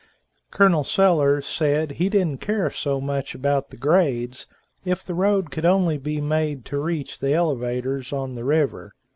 Col. Sellers said he didn't care so much about the grades, if the road could only be made to reach the elevators on the river.